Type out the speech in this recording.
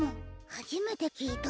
はじめてきいた。